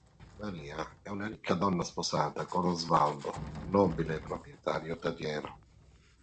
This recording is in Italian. Maria è una ricca donna sposata con Osvaldo, nobile proprietario terriero.